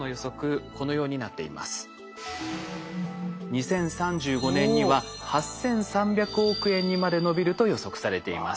２０３５年には８，３００億円にまで伸びると予測されています。